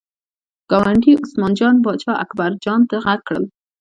ګاونډي عثمان جان پاچا اکبر جان ته غږ کړل.